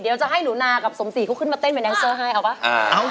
เดี๋ยวจะให้หนูนากับสมศรีเขาขึ้นมาเต้นเป็นแดนเซอร์ให้เอาป่ะ